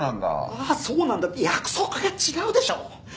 「あーそうなんだ」って約束が違うでしょう！